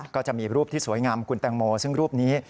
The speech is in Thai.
ก็จะมีรูปที่สวยงามคุณแตงโมซึ่งรูปนี้